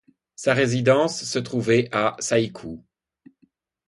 Sa résidence se trouvait à Saikū.